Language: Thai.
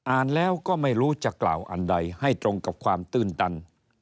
อ่านแล้วก็ไม่รู้จะกล่าวอันใดให้ตรงกับความตื้นตัน